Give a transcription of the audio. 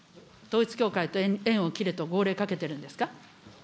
統一教会と縁を切れと号令かけてるんですか。